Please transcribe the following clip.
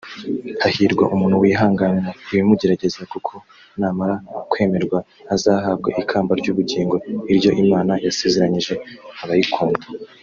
Hahirwa umuntu wihanganira ibimugerageza kuko namara kwemerwa azahabwa ikamba ry’ubugingo iryo Imana yasezeranije abayikunda